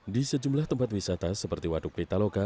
di sejumlah tempat wisata seperti waduk pitaloka